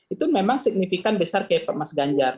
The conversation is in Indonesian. itu memang signifikan besar kayak mas ganjar